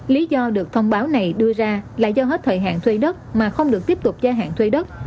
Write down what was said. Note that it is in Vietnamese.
lý do được thông báo này đưa ra là do hết thời hạn thuê đất mà không được tiếp tục gia hạn thuê đất